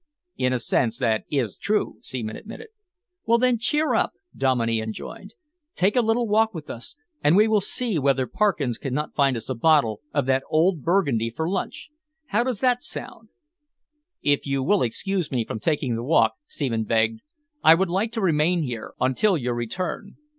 "In a sense that is true," Seaman admitted. "Well, then, cheer up," Dominey enjoined. "Take a little walk with us, and we will see whether Parkins cannot find us a bottle of that old Burgundy for lunch. How does that sound?" "If you will excuse me from taking the walk," Seaman begged, "I would like to remain here until your return."